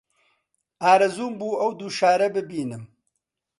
ئارەزووم بوو ئەو دوو شارە ببینم